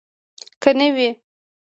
که نه وي.